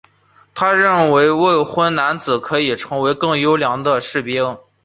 他认为未婚男子可以成为更优良的士兵。